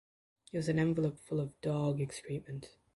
It was an envelope full of dog excrement.